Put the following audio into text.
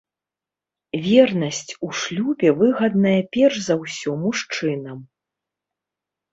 Вернасць у шлюбе выгадная перш за ўсё мужчынам.